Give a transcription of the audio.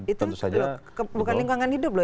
itu bukan lingkungan hidup loh